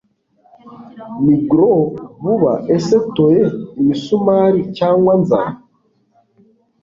Ni Grow vuba Ese Toe imisumari cyangwa nzara